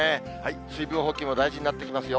水分補給も大事になってきますよ。